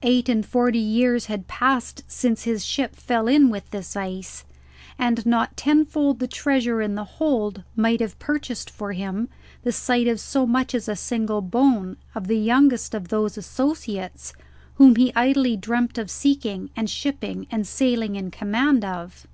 Eight and forty years had passed since his ship fell in with this ice, and not tenfold the treasure in the hold might have purchased for him the sight of so much as a single bone of the youngest of those associates whom he idly dreamt of seeking and shipping and sailing in command of.